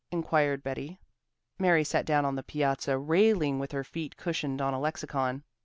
inquired Betty. Mary sat down on the piazza railing with her feet cushioned on a lexicon.